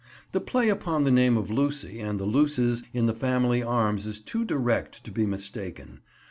The play upon the name of Lucy and the luces in the family arms is too direct to be mistaken.